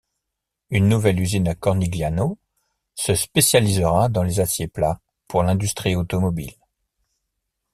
Une nouvelle usine à Cornigliano se spécialisera dans les aciers plats pour l'industrie automobile.